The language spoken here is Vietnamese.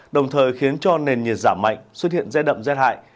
đồng thời khiến cho nền nhiệt giảm mạnh xuất hiện rét đậm rét hại